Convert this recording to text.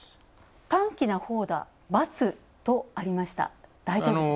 短気なほうだ、×とありました。